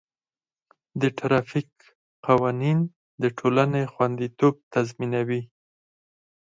د ټرافیک قوانین د ټولنې خوندیتوب تضمینوي.